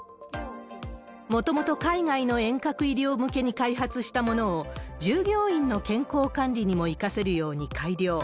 もともと海外の遠隔医療向けに開発したものを、従業員の健康管理にも生かせるように改良。